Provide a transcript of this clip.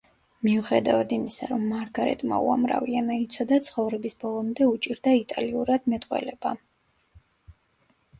მიუხედავად იმისა, რომ მარგარეტმა უამრავი ენა იცოდა, ცხოვრების ბოლომდე უჭირდა იტალიურად მეტყველება.